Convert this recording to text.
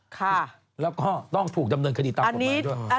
ค่ะแล้วก็ต้องทำเนินคดีตามก่อไปจริงมาก